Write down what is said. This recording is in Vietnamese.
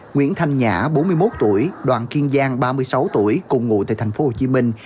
nguyễn thanh nhã bốn mươi một tuổi đoàn kiên giang ba mươi sáu tuổi cùng ngụ tại thành phố hồ chí minh